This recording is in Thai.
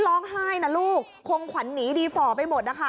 ร้องไห้นะลูกคงขวัญหนีดีฝ่อไปหมดนะคะ